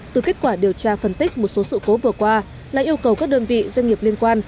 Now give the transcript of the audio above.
từ kết quả điều tra phân tích một số sự cố vừa qua là yêu cầu các đơn vị doanh nghiệp liên quan